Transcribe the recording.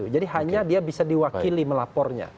hanya dia bisa diwakili melapornya